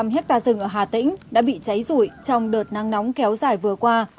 ba trăm linh hectare rừng ở hà tĩnh đã bị cháy rủi trong đợt năng nóng kéo dài vừa qua